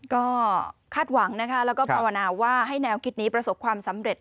ก็คาดหวังนะคะแล้วก็ภาวนาว่าให้แนวคิดนี้ประสบความสำเร็จ